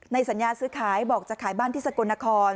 สัญญาซื้อขายบอกจะขายบ้านที่สกลนคร